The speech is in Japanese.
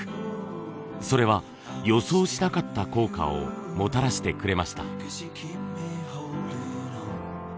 それは予想しなかった効果をもたらしてくれました。